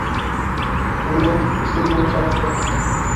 Бына, исмаһам, шатлыҡ.